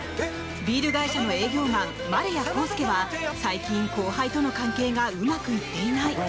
ビール会社の営業マン丸谷康介は最近、後輩との関係がうまくいっていない。